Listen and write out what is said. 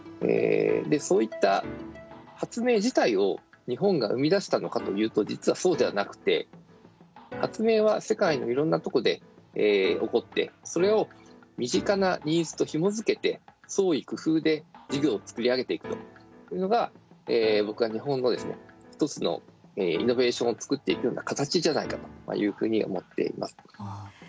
そういった発明自体を日本が生み出したのかというと実はそうではなくて発明は世界のいろんなとこで起こってそれを身近なニーズとひも付けて創意工夫で事業を作り上げていくというのが僕は日本の１つのイノベーションを作っていくような形じゃないかというふうに思っています。